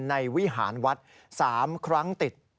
วิหารวัด๓ครั้งติด